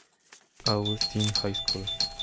Augustine High School".